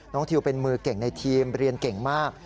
ทิวเป็นมือเก่งในทีมเรียนเก่งมาก